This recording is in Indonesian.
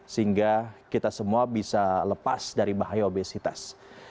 sehingga kita semua bisa lepas dari bahaya obesitas